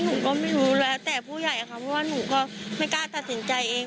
หนูก็ยืนยันว่าไม่มี